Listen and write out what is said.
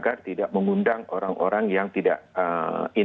agar tidak mengundang orang orang yang tidak menerima kebijakan